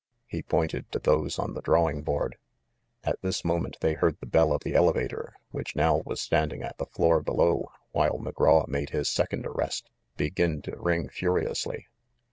He pointed to those on the drawing board. At this moment they heard the bell of the elevator, which now was standing at the floor below while Mc graw made his second arrest, begin to ring furiously.